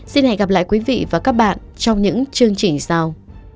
xin hẹn gặp lại quý vị và các bạn trong những chương trình sau